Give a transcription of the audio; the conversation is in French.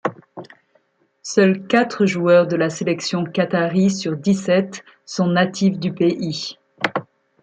Seuls quatre joueurs de la sélection qatarie sur dix-sept sont natifs du pays.